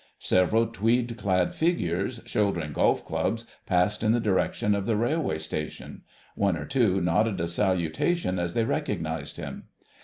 Several tweed clad figures, shouldering golf clubs, passed in the direction of the railway station; one or two nodded a salutation as they recognised him.